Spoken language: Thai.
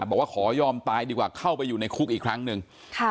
บอกว่าขอยอมตายดีกว่าเข้าไปอยู่ในคุกอีกครั้งหนึ่ง